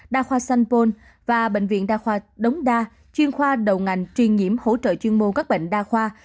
đa khoa sanh pôn và bệnh viện đa khoa đống đa chuyên khoa đầu ngành truyền nhiễm hỗ trợ chuyên môn các bệnh đa khoa